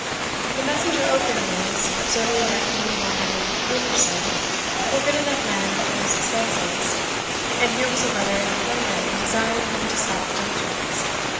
The messenger opened his, observing that Greenhorn and Grinderson were good enough men for his expenses, and here was a letter from them desiring him to stop the diligence.